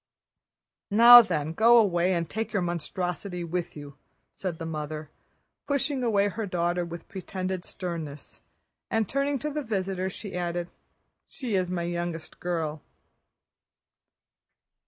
"Now then, go away and take your monstrosity with you," said the mother, pushing away her daughter with pretended sternness, and turning to the visitor she added: "She is my youngest girl."